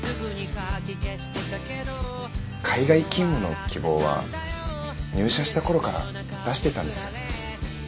海外勤務の希望は入社した頃から出していたんです。